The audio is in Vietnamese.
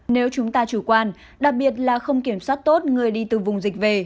nếu chúng ta chủ quan đặc biệt là không kiểm soát tốt người đi từ vùng dịch về